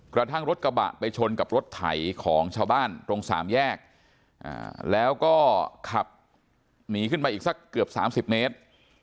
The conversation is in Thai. กระทั่งรถกระบะไปชนกับรถไถของชาวบ้านตรงสามแยกแล้วก็ขับหนีขึ้นไปอีกสักเกือบ๓๐เมตร